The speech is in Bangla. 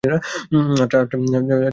আচ্ছা, সত্যি বলো।